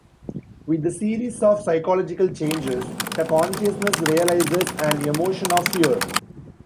With the series of physiological changes, the consciousness realizes an emotion of fear.